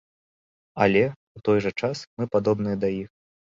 Але ў той жа час, мы падобныя да іх.